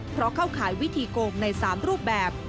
เพราะเข้าขายวิธีโกงใน๓รูปแบบ